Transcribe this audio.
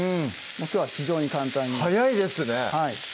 きょうは非常に簡単に早いですね